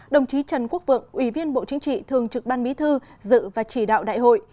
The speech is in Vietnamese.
đồng chí trần quốc vượng ủy viên bộ chính trị thường trực ban bí thư dự và chỉ đạo đại hội